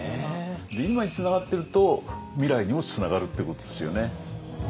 今につながってると未来にもつながるっていうことですよね。